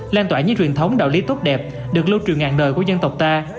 lan tỏa những truyền thống đạo lý tốt đẹp được lưu truyền ngàn đời của dân tộc ta